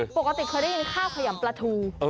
ปกติเคยได้ยินข้าวขยำปลาทู